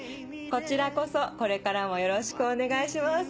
こちらこそこれからもよろしくお願いします。